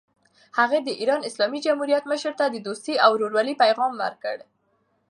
هغه د ایران اسلامي جمهوریت مشر ته د دوستۍ او ورورولۍ پیغام ورکړ.